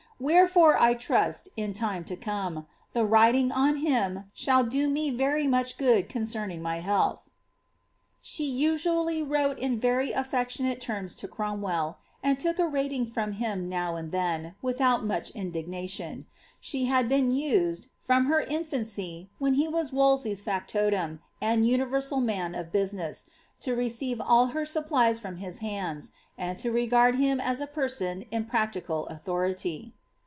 Wherefore I , in time to come, the riding on him shall do mo very much good cuncern ny health." he usually wrote in very affectionate terms to Cromwell, and took a ig from him now and then, without much indignation ; she had been I, from her infancy, when he was Wolsey^s factotum and universal of business, to receive all her supplies from his hands, and to re I him as a person in practical authority.